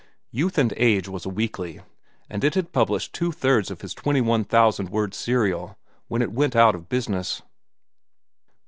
Youth and Age was a weekly, and it had published two thirds of his twenty one thousand word serial when it went out of business.